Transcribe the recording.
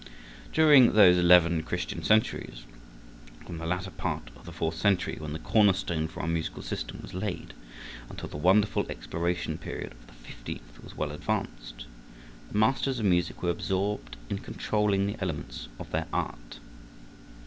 During those eleven Christian centuries, from the latter part of the fourth century, when the corner stone for our musical system was laid, until the wonderful exploration period of the fifteenth was well advanced, the masters of music were absorbed in controlling the elements of their art.